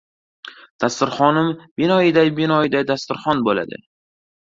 Dasturxonim binoyiday-binoyiday dasturxon bo‘ladi!